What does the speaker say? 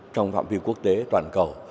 trong phạm viên quốc tế toàn cầu